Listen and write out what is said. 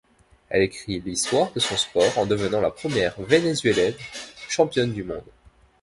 Elle écrit l'histoire de son sport en devenant la première Venezuelienne championne du monde.